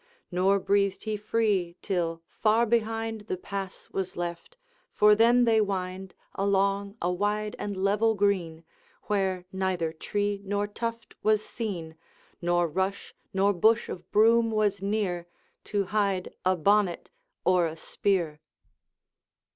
Nor breathed he free till far behind The pass was left; for then they wind Along a wide and level green, Where neither tree nor tuft was seen, Nor rush nor bush of broom was near, To hide a bonnet or a spear.